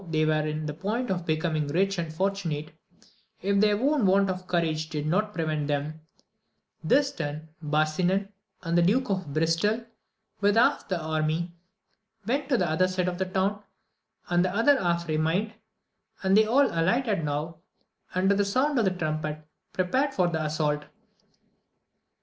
they were on the point of becoming rich and fortunate^ if their own want of courage did not prevent them* This done, Barsinan, and the Duke of Bristol, with half the army, went to the other side of the town, and the other half remained, and they all alighted now, and at the sound of the trumpet prepared for the assault.